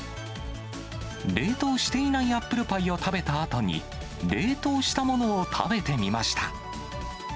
冷凍していないアップルパイを食べたあとに、冷凍したものを食べてみました。